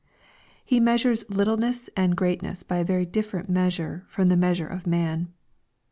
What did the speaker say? He measures littleness and greatness by a very different measure from the measure of man.